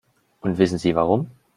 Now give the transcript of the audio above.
Und wissen Sie warum?